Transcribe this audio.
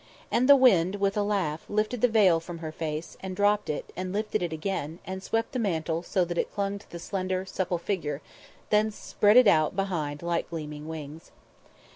And the wind, with a laugh, lifted the veil from her face, and dropped it, and lifted it again, and swept the mantle so that it clung to the slender, supple figure, then spread it out behind like gleaming wings.